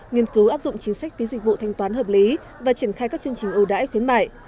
nghiên cứu áp dụng chính sách phí dịch vụ thanh toán hợp lý và triển khai các chương trình ưu đãi khuyến mại